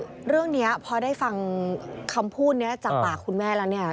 คือเรื่องนี้พอได้ฟังคำพูดนี้จากปากคุณแม่แล้วเนี่ย